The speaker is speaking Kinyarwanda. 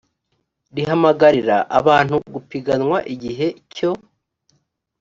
rihamagarira abantu gupiganwa igihe cyo